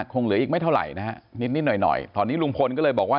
คงเหลืออีกไม่เท่าไหร่นะฮะนิดนิดหน่อยหน่อยตอนนี้ลุงพลก็เลยบอกว่า